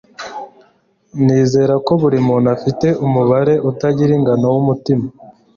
Nizera ko buri muntu afite umubare utagira ingano w'umutima.